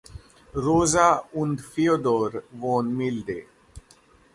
Rosa und Feodor von Milde.